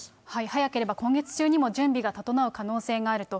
早ければ今月中にも準備が整う可能性があると。